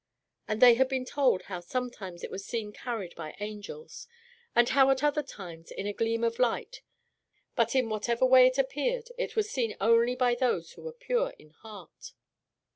And they had been told how sometimes it was seen carried by angels, and how at other times in a gleam of light. But in whatever way it appeared, it was seen only by those who were pure in heart.